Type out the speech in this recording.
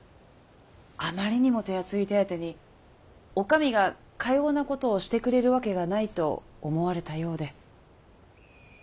あまりにも手厚い手当てに「お上がかようなことをしてくれるわけがない」と思われたようで。